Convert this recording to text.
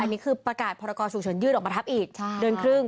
อันนี้คือประกาศพรกรฉุกเฉินยืดออกมาทับอีกเดือนครึ่ง